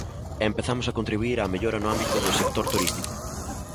E empezamos a contribuír á mellora no ámbito do sector turístico.